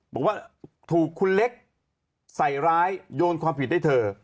บอกว่าถูกคุณเล็กใส่ร้ายโยนความผิดให้เธอ